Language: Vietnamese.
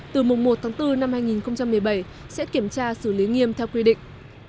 từ mùng một tháng bốn năm hai nghìn một mươi bảy sẽ kiểm tra xử lý nghiêm theo quy định